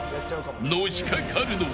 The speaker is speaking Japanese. のしかかるのは。